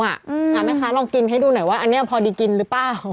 แม่ค้าลองกินให้ดูหน่อยว่าอันนี้พอดีกินหรือเปล่า